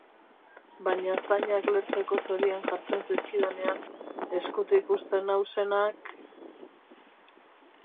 Baina zainak lehertzeko zorian jartzen zaizkidanean, eskutik uzten nau senak...